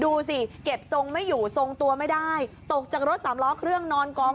ดูสิเก็บทรงไม่อยู่ทรงตัวไม่ได้ตกจากรถสามล้อเครื่องนอนกอง